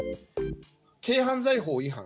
軽犯罪法違反。